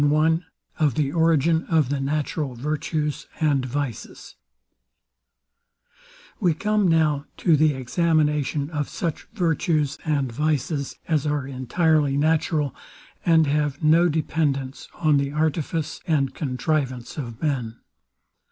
I OF THE ORIGIN OF THE NATURAL VIRTUES AND VICES We come now to the examination of such virtues and vices as are entirely natural, and have no dependance on the artifice and contrivance of men.